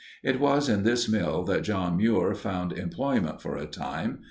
It was in this mill that John Muir found employment for a time.